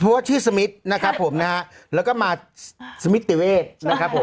เพราะว่าชื่อสมิทนะครับผมนะฮะแล้วก็มาสมิติเวศนะครับผม